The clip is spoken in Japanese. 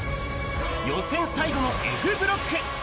予選最後のＦブロック。